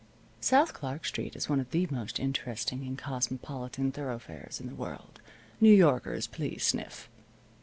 South Clark Street is one of the most interesting and cosmopolitan thoroughfares in the world (New Yorkers please sniff).